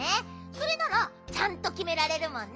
それならちゃんときめられるもんね。